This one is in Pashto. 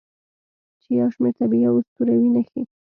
چې یو شمیر طبیعي او اسطوروي نښې